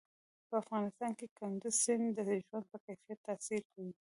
په افغانستان کې کندز سیند د ژوند په کیفیت تاثیر کوي.